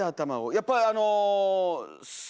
やっぱりあの。